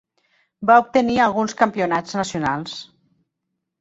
Va obtenir alguns campionats nacionals.